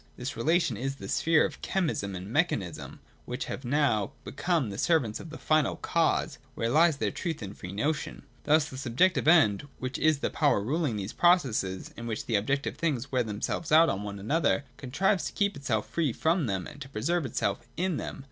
This relation is the sphere of chemism and mechanism, which have now become the servants of the Final Cause, where lies their truth and free notion. Thus the Subjective End, which is the power ruling these processes, in which the 3 so THE DOCTRINE OE THE NOTION. [209 211. objective things wear themselves out on one another, contrives to keep itself free from them, and to preserve itself in them.